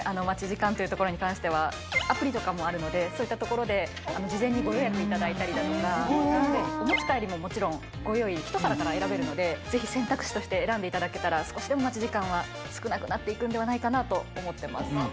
待ち時間というところに関してはアプリとかもあるのでそういったところで事前にご予約いただいたりだとかお持ち帰りももちろんご用意１皿から選べるのでぜひ選択肢として選んでいただけたら少しでも待ち時間は少なくなっていくんではないかなと思ってます